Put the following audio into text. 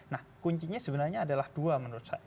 nah kuncinya sebenarnya adalah dua menurut saya